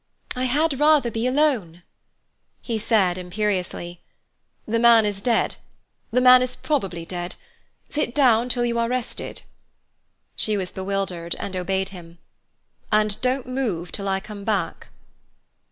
"I had rather be alone." He said imperiously: "The man is dead—the man is probably dead; sit down till you are rested." She was bewildered, and obeyed him. "And don't move till I come back."